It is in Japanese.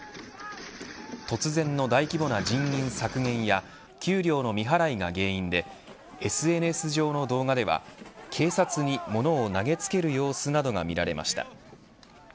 突然の大規模な人員削減や給料の未払いが原因でＳＮＳ上の動画では警察に物を投げつける様子などが見られました。